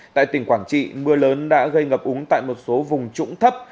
tại tỉnh quảng trị mưa lớn đã gây ngập úng tại một số vùng trũng thấp